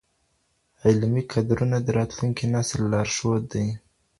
علمي کدرونه د راتلونکي نسل لارښود دي.